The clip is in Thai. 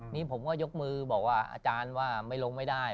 นี่ผมก็ยกมือบอกว่าอาจารย์ว่าไม่ลงไม่ได้